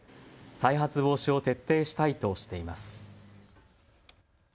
再発防止を徹底したいとしています。